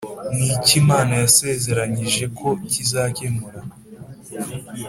Ni iki Imana yasezeranyije ko kizakemura